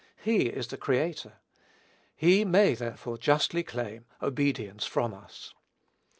He is the Creator; He may, therefore, justly claim obedience from us.